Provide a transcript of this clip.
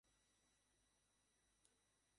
এসব জানাটা তো বেশ জরুরি।